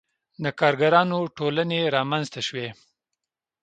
• د کارګرانو ټولنې رامنځته شوې.